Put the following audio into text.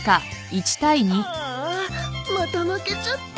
ああまた負けちゃった。